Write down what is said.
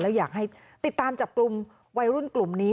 แล้วอยากให้ติดตามจับกลุ่มวัยรุ่นกลุ่มนี้